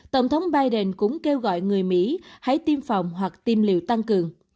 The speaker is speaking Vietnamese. tổng thống biden cũng kêu gọi người mỹ hãy tiêm phòng hoặc tiêm liều tăng cường